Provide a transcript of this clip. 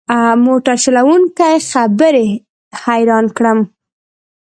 موټر چلوونکي خبرې حیران کړم.